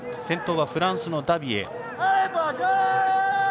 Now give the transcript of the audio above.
先頭はフランスのダビエ。